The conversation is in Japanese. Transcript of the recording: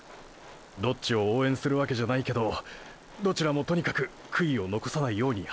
どっちを応援するわけじゃないけどどちらもとにかく悔いを残さないように走ってほしい。